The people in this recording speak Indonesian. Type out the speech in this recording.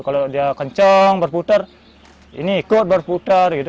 kalau dia kencang berputar ini ikut berputar gitu